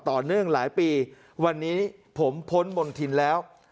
ต่อเนื่องหลายปีวันนี้ผมพ้นมณฑินแล้ว